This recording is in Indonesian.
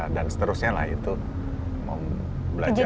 dan seterusnya lah itu mau belajar